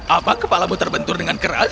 apa kepalamu terbentur dengan keras